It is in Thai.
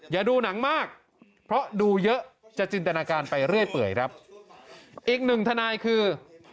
ดูหนังมากเพราะดูเยอะจะจินตนาการไปเรื่อยเปื่อยครับอีกหนึ่งทนายคือ